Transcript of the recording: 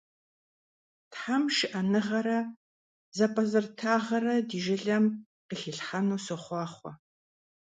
Тхьэм шыӀэныгъэрэ зэпӀэзэрытагъэрэ ди жылэм къыхилъхьэну сохъуахъуэ.